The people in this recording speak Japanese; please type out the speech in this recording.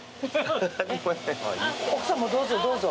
奥さんもどうぞどうぞ。